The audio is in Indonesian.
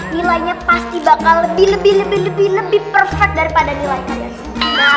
nilainya pasti bakal lebih lebih lebih lebih lebih perfect daripada nilainya